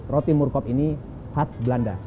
roti murkop ini khas belanda